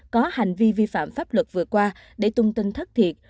có hành vi vi phạm pháp luật vừa qua để tung tin thất thiệt